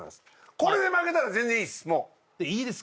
これで負けたら全然いいです